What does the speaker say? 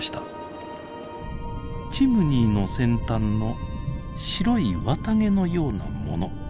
チムニーの先端の白い綿毛のようなもの。